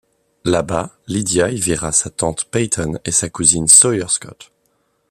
Là-bas, Lydia y verra sa tante Peyton et sa cousine Sawyer Scott.